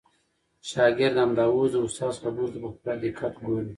شاګرد همدا اوس د استاد خبرو ته په پوره دقت ګوري.